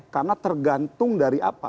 karena tergantung dari apa